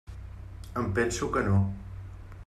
Em penso que no.